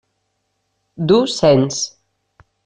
Du Sens.